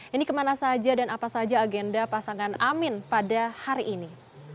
ini kemana saja dan apa saja agenda pasangan amin pada hari ini